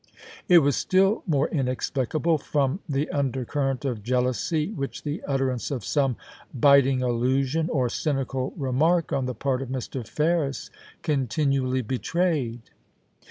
It was still more inexplicable from the undercurrent of jealousy which the utterance of some biting allusion or cynical remark on the part of Mr. Ferris continually betrayed.